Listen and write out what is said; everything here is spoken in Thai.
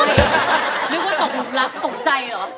เรียกว่าตกรักตกใจเหรอ